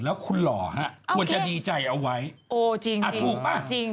แล้วคุณหล่ออ่ะควรจะดีใจเอาไว้ถูกป่ะโอเคจริง